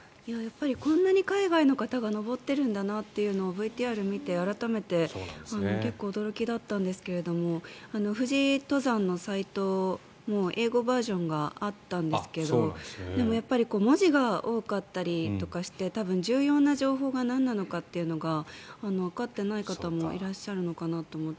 こんなに海外の方が登っているんだなというのをＶＴＲ見て改めて結構驚きだったんですが富士登山のサイトも英語バージョンがあったんですけどやっぱり文字が多かったりとかして多分、重要な情報がなんなのかがわかっていない方もいらっしゃるのかなと思って。